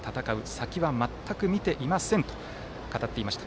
先は全く見ていませんと語っていました。